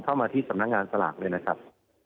เข้ามาที่สำนักงานสลากด้วยนะครับ